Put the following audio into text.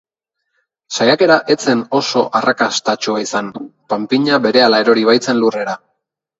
Saiakera ez zen oso arrakastatsua izan, panpina berehala erori baitzen lurrera.